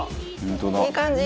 いい感じ。